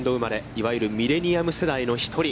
いわゆるミレニアム世代の１人。